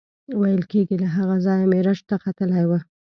ویل کېږي له هغه ځایه معراج ته ختلی و.